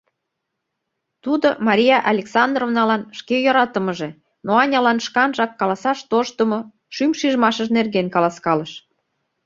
Тудо Мария Александровналан шке йӧратымыже, но Анялан шканжак каласаш тоштдымо шӱм шижмашыж нерген каласкалыш.